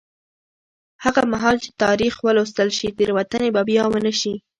هغه مهال چې تاریخ ولوستل شي، تېروتنې به بیا ونه شي.